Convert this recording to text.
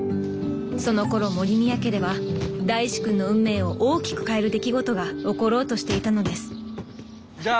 そのころ森宮家では大志くんの運命を大きく変える出来事が起ころうとしていたのですじゃあ